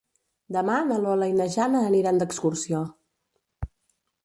Demà na Lola i na Jana aniran d'excursió.